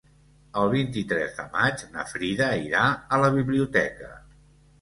El vint-i-tres de maig na Frida irà a la biblioteca.